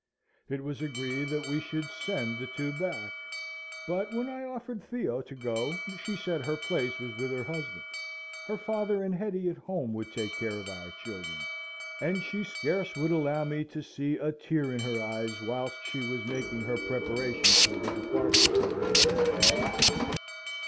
It was agreed that we should send the two back; but when I offered Theo to go, she said her place was with her husband; her father and Hetty at home would take care of our children; and she scarce would allow me to see a tear in her eyes whilst she was making her preparations for the departure of her little ones.